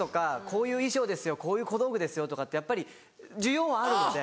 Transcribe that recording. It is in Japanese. こういう衣装ですよこういう小道具ですよとかってやっぱり需要はあるので。